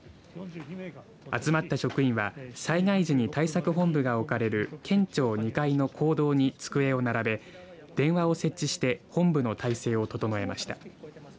集まった職員は災害時に対策本部が置かれる県庁２階の講堂に机を並べ電話を設置して本部の態勢を整えました。